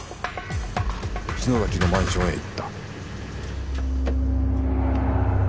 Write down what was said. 篠崎のマンションへ行った。